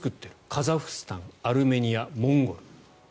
カザフスタン、アルメニアモンゴルに。